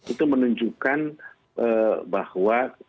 itu menunjukkan bahwa